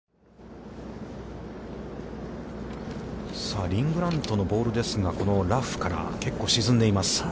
さあ、リン・グラントのボールですが、このラフから、結構沈んでいます。